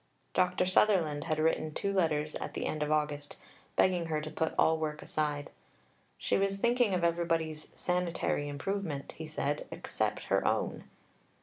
Dr. Sutherland had written two letters at the end of August begging her to put all work aside. She was thinking of everybody's "sanitary improvement," he said, except her own.